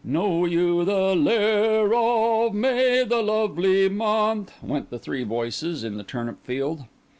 "Know you the lair of May, the lovely month?" went the three voices in the turnip field.